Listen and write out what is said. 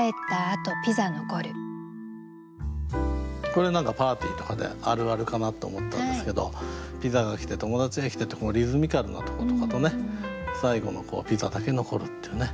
これ何かパーティーとかであるあるかなって思ったんですけど「ピザが来て友達が来て」ってこのリズミカルなとことかとね最後の「ピザだけ残る」っていうね